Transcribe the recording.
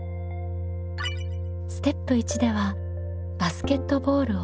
ステップ１ではバスケットボールを「する」